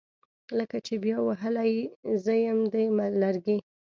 لکه چې بیا وهلي زیم دي لرګي